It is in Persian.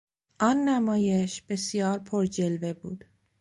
آن نمایش بسیار پرجلوه بود.